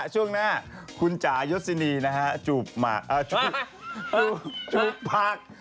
ช่วงหน้าขุนจายศินีย์นะครับ